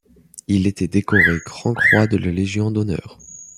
Il était décoré Grand-Croix de la Légion d'Honneur.